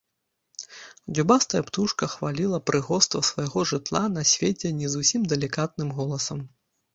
Дзюбастая птушка хваліла прыгоства свайго жытла на свеце не зусім далікатным голасам.